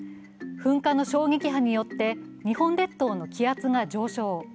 噴火の衝撃波によって日本列島の気圧が上昇。